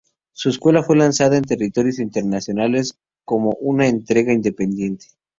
Su secuela fue lanzada en territorios internacionales como una entrega independiente.